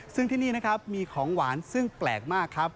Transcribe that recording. ซึ่งที่นี่นะครับมีของหวานซึ่งแปลกมากครับ